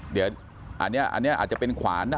เดี๋ยวอันนี้อาจจะเป็นขวานนะ